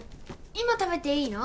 今食べていいの？